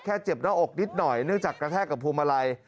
เจ็บหน้าอกนิดหน่อยเนื่องจากกระแทกกับพวงมาลัย